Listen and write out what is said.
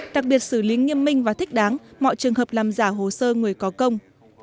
đặc biệt xử lý nghiêm minh và thích đáng mọi trường hợp làm giả hồ sơ người có công